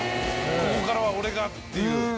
ここからは俺が！っていう。